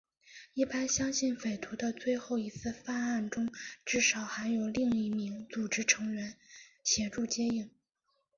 一般相信匪徒的最后一次犯案中至少还有另一名组织成员协助接应。